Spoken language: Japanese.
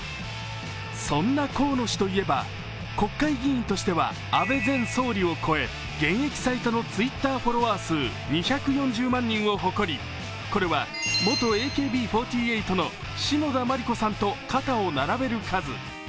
そんな河野氏といえば国会議員としては安倍前総理を超え現役最多のＴｗｉｔｔｅｒフォロワー数２４０万人を誇りこれは元ＡＫＢ４８の篠田麻里子さんと肩を並べる数。